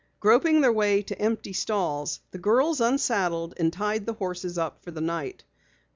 Groping their way to empty stalls, the girls unsaddled and tied the horses up for the night.